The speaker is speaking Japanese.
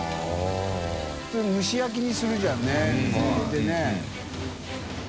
當蒸し焼きにするじゃんね水入れてね。